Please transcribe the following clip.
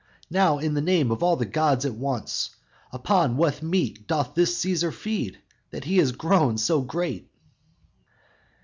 Now in the name of all the gods at once, Upon what meat doth this our Cæsar feed That he is grown so great?"